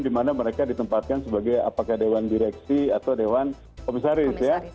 dimana mereka ditempatkan sebagai apakah dewan direksi atau dewan komisaris ya